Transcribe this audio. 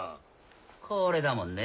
これだもんね